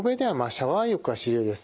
シャワー浴が主流です。